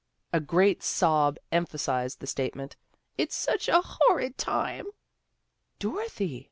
A great sob emphasized the statement. " It's such a horrid time." " Dorothy!